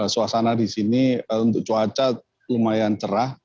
suasana di sini untuk cuaca lumayan cerah